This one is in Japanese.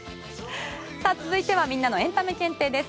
さあ続いてはみんなのエンタメ検定です。